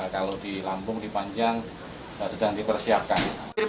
kalau di lampung di panjang sedang dipersiapkan